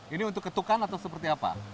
ini untuk ketukan atau seperti apa